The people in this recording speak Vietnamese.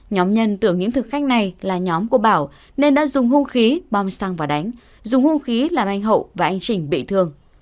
nhóm nhân tưởng những thực khách này là nhóm của bảo nên đã dùng hung khí bom xăng và đánh dùng hung khí làm anh hậu và anh trình bị thương